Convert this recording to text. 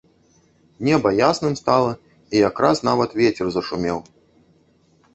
Неба ясным стала, і якраз нават вецер зашумеў.